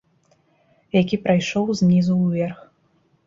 Які прайшоў знізу ўверх.